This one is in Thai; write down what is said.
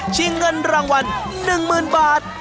ชี้เงินรางวัล๑หมื่นบาท